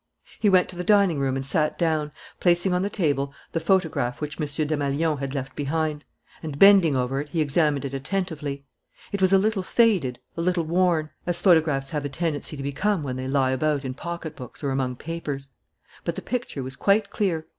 He went to the dining room and sat down, placing on the table the photograph which M. Desmalions had left behind; and, bending over it, he examined it attentively. It was a little faded, a little worn, as photographs have a tendency to become when they lie about in pocket books or among papers; but the picture was quite clear.